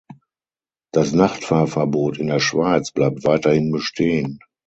Das Nachtfahrverbot in der Schweiz bleibt weiterhin bestehen.